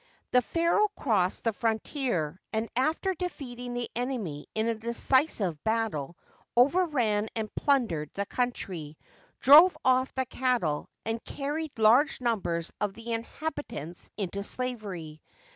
The pharaoh crossed the frontier, and, after defeating the enemy in a decisive battle, overran and Digitized byCjOOQlC 70 HISTORY OF EGYPT. Elundered the country, drove off the cattle, and carried irge numbers of the inhabitants into slavery.